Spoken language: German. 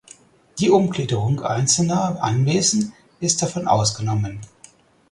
Die Umgliederung einzelner Anwesen ist davon ausgenommen.